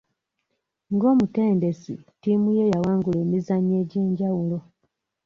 Ng'omutendesi, ttiimu ye yawangula emizannyo egy'enjawulo.